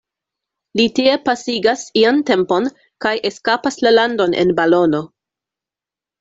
Li tie pasigas ian tempon, kaj eskapas la landon en balono.